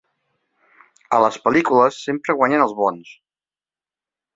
A les pel·lícules sempre guanyen els bons.